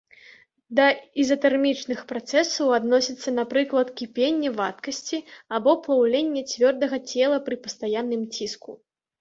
Да ізатэрмічных працэсаў адносяцца, напрыклад, кіпенне вадкасці або плаўленне цвёрдага цела пры пастаянным ціску.